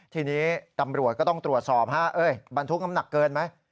ทีนี้ตำรวจก็ต้องตรวจสอบบรรทุกน้ำหนักเกินไหม